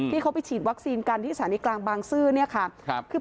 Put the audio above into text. ที่เขาไปฉีดวัคซีนกันที่ศาลีกลางบางซื่อ